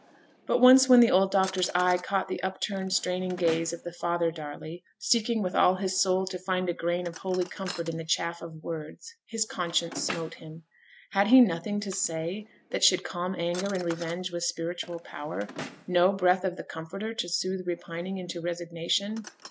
But once when the old doctor's eye caught the up turned, straining gaze of the father Darley, seeking with all his soul to find a grain of holy comfort in the chaff of words, his conscience smote him. Had he nothing to say that should calm anger and revenge with spiritual power? no breath of the comforter to soothe repining into resignation?